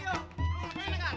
begak lu kangen